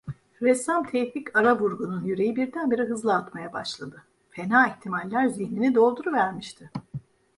Ressam Tevfik Aravurgun'un yüreği birdenbire hızlı atmaya başladı, fena ihtimaller zihnini dolduruvermişti.